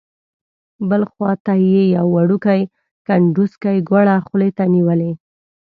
بل خوا ته یې یو وړوکی کنډوسکی ګوړه خولې ته نیولې.